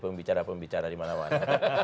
pembicara pembicara di mana mana